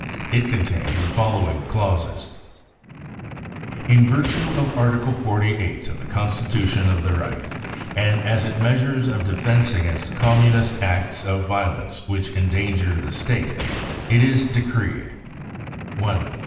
It contained the following clauses : <e In virtue of Article 48 of the constitution of the Reich and as Treasures of defence against Communist acts of violence which endanger the State, it is decreed :" 1.